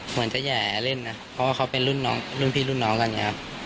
เหมือนจะแห่เล่นนะเพราะว่าเขาเป็นรุ่นน้องรุ่นพี่รุ่นน้องกันไงครับ